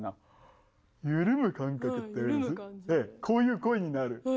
こういう声になる。